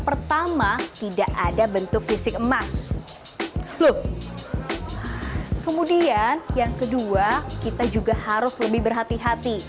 pertama tidak ada bentuk fisik emas loh kemudian yang kedua kita juga harus lebih berhati hati